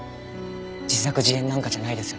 自作自演なんかじゃないですよね？